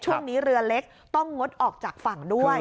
เรือเล็กต้องงดออกจากฝั่งด้วย